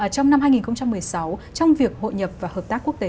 trong năm hai nghìn một mươi sáu trong việc hội nhập và hợp tác quốc tế